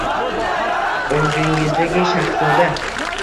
- Orzuyingizdagi shahzoda!